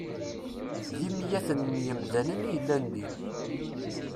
D imyaten n yemdanen i yellan din.